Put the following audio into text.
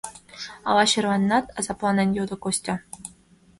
Ала черланенат? — азапланен йодо Костя.